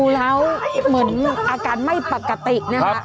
แล้วเหมือนอาการไม่ปกตินะคะ